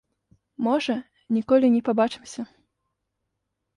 Можа, ніколі не пабачымся.